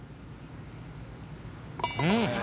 うん！